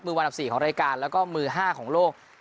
มือวันอันดับสี่ของรายการแล้วก็มือห้าของโลก